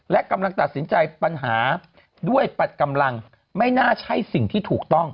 และกำลังตัดสินใจปัญหาด้วยปัดกำลังไม่น่าใช่สิ่งที่ถูกต้อง